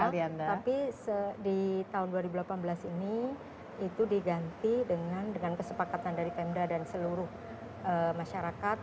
tapi di tahun dua ribu delapan belas ini itu diganti dengan kesepakatan dari pemda dan seluruh masyarakat